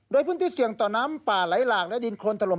โดยพื้นที่เสี่ยงต่อน้ำป่าไหลหลากและดินโครนถล่ม